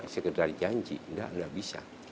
sekedar janji tidak tidak bisa